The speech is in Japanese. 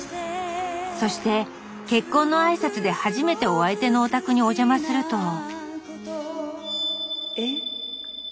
そして結婚の挨拶で初めてお相手のお宅にお邪魔すると。